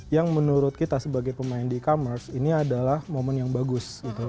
yang menurut kita sebagai pemain di e commerce ini adalah momen yang bagus